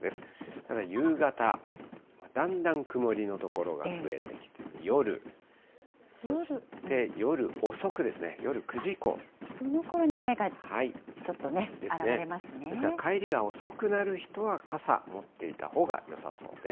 ただ、夕方、だんだん曇りの所が増えてきて、夜、そのころに、ですから、帰りが遅くなる人は傘持っていたほうがよさそうです。